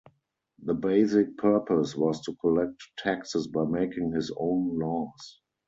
The basic purpose was to collect taxes by making his own laws.